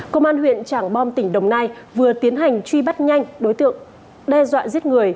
công an huyện trảng bom tỉnh đồng nai vừa tiến hành truy bắt nhanh đối tượng đe dọa giết người